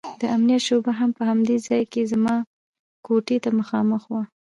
د امنيت شعبه هم په همدې ځاى کښې زما کوټې ته مخامخ وه.